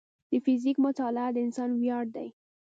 د فزیک مطالعه د انسان ویاړ دی.